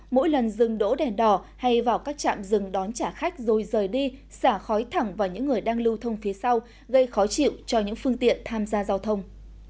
mỗi lần dừng đỗ đèn đỏ hay vào các trạm dừng đón trả khách rồi rời đi xả khói thẳng vào những người đang lưu thông phía sau gây khó chịu cho những phương tiện tham gia giao thông